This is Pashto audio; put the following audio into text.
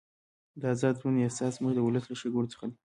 د ازاد ژوند احساس زموږ د ولس له ښېګڼو څخه دی.